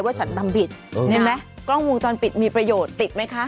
ว่าฉันทำผิดนี่นะกล้องมูลจรติดดุมีประโยชน์ติดไหมคะ